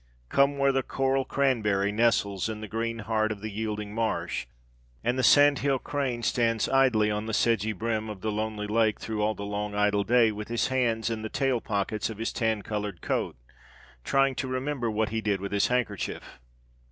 Come where the coral cranberry nestles in the green heart of the yielding marsh and the sand hill crane stands idly on the sedgy brim of the lonely lake through all the long, idle day with his hands in the tail pockets of his tan colored coat, trying to remember what he did with his handkerchief.